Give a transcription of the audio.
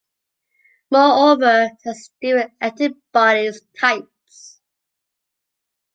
Moreover, it has different antibodies types.